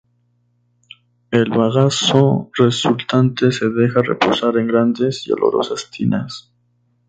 El bagazo resultante se deja reposar en grandes y olorosas tinas.